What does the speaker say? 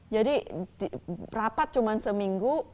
jadi rapat cuma seminggu